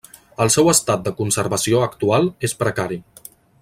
El seu estat de conservació actual és precari.